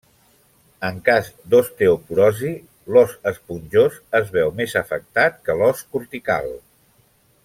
En cas d'osteoporosi, l'os esponjós es veu més afectat que l'os cortical.